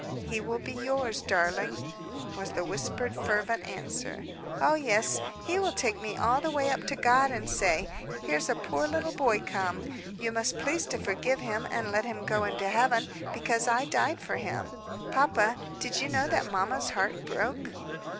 "He will be yours, darling," was the whispered, fervent answer. "Oh, yes. He will take me all the way up to God, and say, 'Here's a poor little boy come, you must please to forgive him and let him go into Heaven, because I died for him!' Papa did you know that mamma's heart broke?"